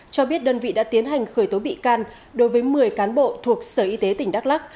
cho biết đơn vị đã tiến hành khởi tố bị can đối với một mươi cán bộ thuộc sở y tế tỉnh đắk lắc